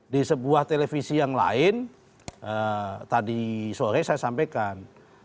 di sebuah televisi yang lain tadi sore saya sampaikan